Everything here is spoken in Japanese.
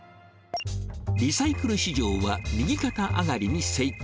リサイクル市場は右肩上がりに成長。